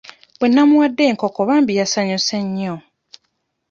Bwe nnamuwadde enkoko bambi yasanyuse nnyo.